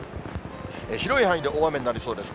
広い範囲で大雨になりそうです。